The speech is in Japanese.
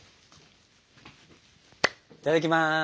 いただきます！